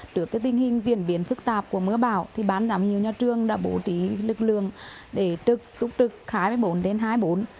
trước cái tình hình diễn biến phức tạp của mưa bão thì bán giám hiệu nhà trường đã bố trí lực lượng để túc trực khái bốn đến hai bốn